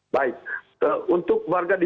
baik untuk warga di